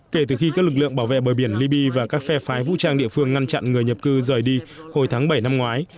kể từ khi các lực lượng bảo vệ bờ biển libya và các phe phái vũ trang địa phương ngăn chặn người nhập cư rời đi hồi tháng bảy năm ngoái